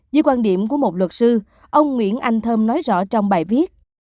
dưới quan điểm của một luật sư ông nguyễn anh thơm nói rõ trong bài viết